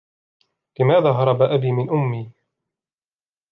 لماذا هرب أبي من أمّي؟